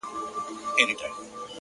خالقه بيا به له هندارو سره څه کومه”“